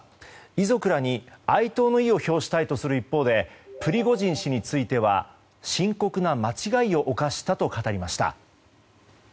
遺族らに哀悼の意を表したいとする一方でプリゴジン氏については深刻な間違いを犯したと語りました。